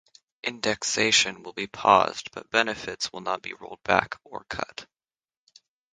Indexation will be paused but benefits will not be rolled back or cut.